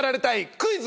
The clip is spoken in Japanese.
クイズ！